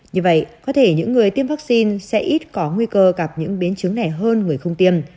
như vậy có thể những người tiêm vaccine sẽ ít có nguy cơ gặp những biến chứng này hơn người không tiêm